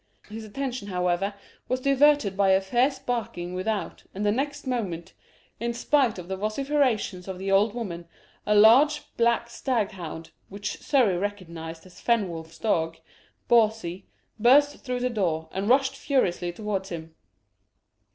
His attention, however, was diverted by a fierce barking without, and the next moment, in spite of the vociferations of the old woman, a large black staghound, which Surrey recognised as Fenwolf's dog, Bawsey, burst through the door, and rushed furiously towards him.